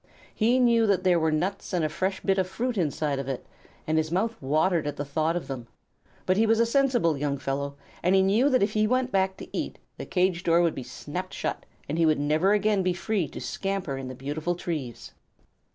He knew that there were nuts and a fresh bit of fruit inside of it, and his mouth watered at the thought of them, but he was a sensible young fellow, and he knew that if he went back to eat, the cage door would be snapped shut, and he would never again be free to scamper in the beautiful trees.